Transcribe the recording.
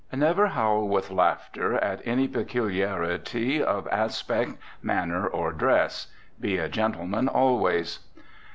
Never howl with laughter at any peculiarity of aspect, manner or dress. Be a gentleman always.